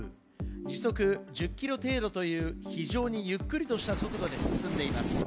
時速１０キロ程度という非常にゆっくりとした速度で進んでいます。